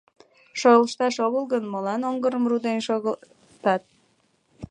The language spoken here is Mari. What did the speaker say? — Шолышташ огыл гын, молан оҥгырым руден шогылтат?